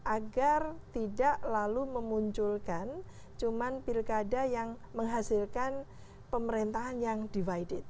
agar tidak lalu memunculkan cuma pilkada yang menghasilkan pemerintahan yang divided